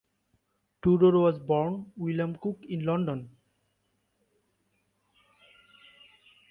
Tudor was born William Cook in London.